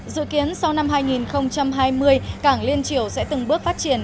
dự kiến sau năm hai nghìn hai mươi cảng liên triều sẽ từng bước phát triển